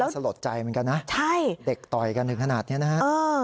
สลดใจเหมือนกันนะใช่เด็กต่อยกันถึงขนาดเนี้ยนะฮะ